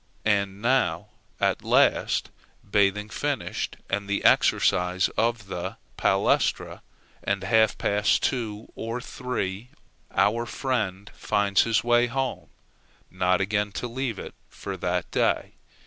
And now, at last, bathing finished, and the exercises of the palæstra, at half past two, or three, our friend finds his way home not again to leave it for that day.